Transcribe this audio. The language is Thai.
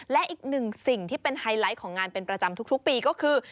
และอีกหนึ่งสิ่งที่เป็นไฮไลท์ของงานเป็นประจำทุกปีก็คือ